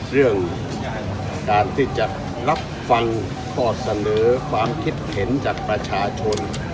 เรื่องการที่จะรับฟังข้อเสนอความคิดเห็นจากประชาชน